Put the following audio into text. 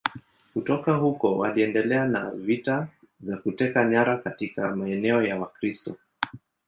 Kutoka huko waliendelea na vita za kuteka nyara katika maeneo ya Wakristo.